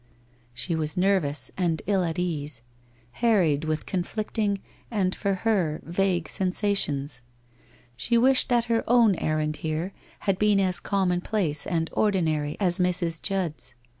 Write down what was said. She was nervous and ill at WHITE ROSE OF WEARY LEAF 231 ease, harried with conflicting, and, for her, vague sensa tions. She "wished that her own errand here had been as com monplace and ordinary as Mrs. Judd's.